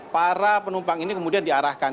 para penumpang ini kemudian diarahkan